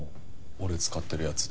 俺使ってるやつで。